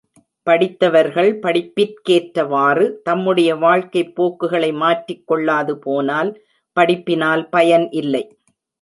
படித்தவர்கள் படிப்பிற்கேற்றவாறு தம்முடைய வாழ்க்கைப் போக்குகளை மாற்றிக் கொள்ளாது போனால் படிப்பினால் பயன் இல்லை.